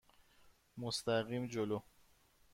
مستقیم جلو.